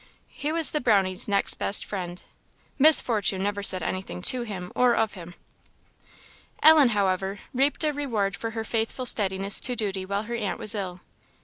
He was the Brownie's next best friend. Miss Fortune never said anything to him or of him. Ellen, however, reaped a reward for her faithful steadiness to duty while her aunt was ill.